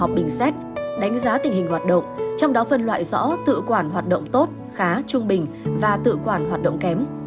hàng tháng đều cho ban tự quản họp bình xét đánh giá tình hình hoạt động trong đó phân loại rõ tự quản hoạt động tốt khá trung bình và tự quản hoạt động kém